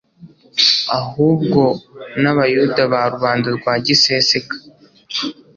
ahubwo n'abayuda ba rubanda rwa giseseka,